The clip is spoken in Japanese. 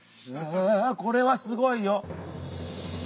あこれはすごいよ！